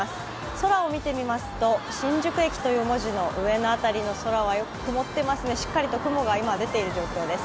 空を見てみますと、新宿駅という文字の上の辺りの空はしっかりと雲が今出ている状況です。